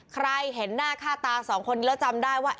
ใครเห็นหน้าค่าตาสองคนนี้แล้วจำได้ว่า